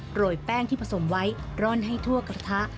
โรยแป้งที่ผสมไว้ร่อนให้ทั่วกระทะ